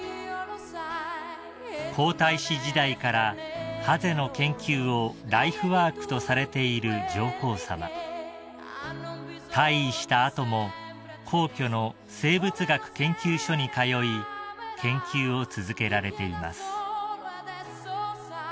［皇太子時代からハゼの研究をライフワークとされている上皇さま］［退位した後も皇居の生物学研究所に通い研究を続けられています］